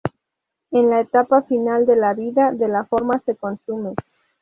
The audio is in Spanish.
En la etapa final de la "vida" de la forma se consume.